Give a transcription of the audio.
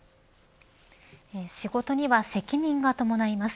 仕事には責任が伴います。